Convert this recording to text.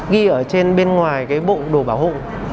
ghi ở trên bên ngoài cái bộ đồ bảo hộ